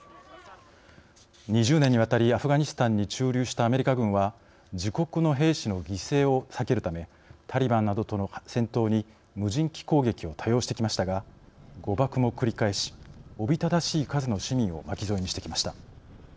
２０年にわたりアフガニスタンに駐留したアメリカ軍は自国の兵士の犠牲を避けるためタリバンなどとの戦闘に無人機攻撃を多用してきましたが誤爆も繰り返しおびただしい数の市民を巻き添えにしてきました。